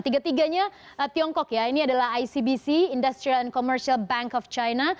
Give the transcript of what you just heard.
tiga tiganya tiongkok ya ini adalah icbc industry and commercial bank of china